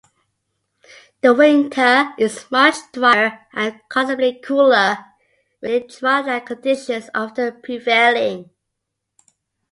Winter is much drier and considerably cooler, with near drought-like conditions often prevailing.